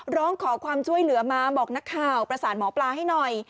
ร้องขอความช่วยเหลือมาบอกนักข่าวประสานหมอปลาให้หน่อย